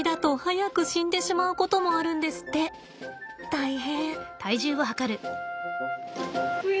大変。